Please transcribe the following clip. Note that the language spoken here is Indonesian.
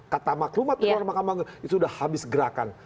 kata maklumat di luar mahkamah agung itu sudah habis gerakan